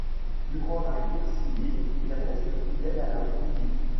Durant la guerre civile, il reste fidèle à la République.